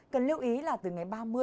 cần lưu ý là từ ngày ba mươi